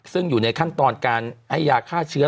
ซึ่งอยู่ในขั้นตอนการให้ยาฆ่าเชื้อ